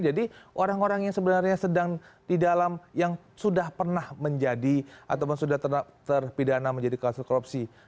jadi orang orang yang sebenarnya sedang di dalam yang sudah pernah menjadi ataupun sudah terpidana menjadi kaos korupsi